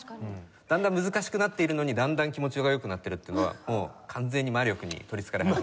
だんだん難しくなっているのにだんだん気持ちが良くなっているっていうのはもう完全に魔力に取り憑かれて。